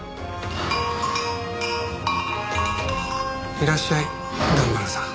いらっしゃい段原さん。